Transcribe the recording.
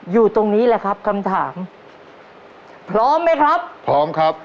อยู่ตรงนี้แหละครับคำถามพร้อมไหมครับพร้อมครับ